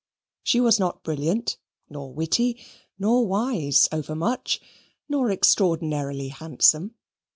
She was not brilliant, nor witty, nor wise over much, nor extraordinarily handsome.